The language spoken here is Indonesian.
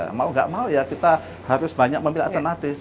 kalau kita mau ya kita harus banyak memiliki alternatif